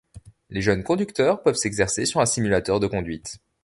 Les jeunes conducteurs peuvent s'exercer sur un simulateur de conduite.